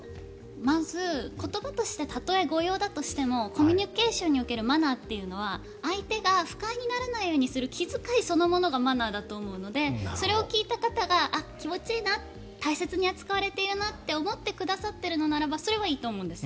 まず、言葉としてたとえ誤用だとしてもコミュニケーションにおけるマナーというのは相手が不快にならないようにする気遣いそのものがマナーだと思うのでそれを聞いた方が大切に扱われているなと思ってくださってるのならばそれはいいと思うんです。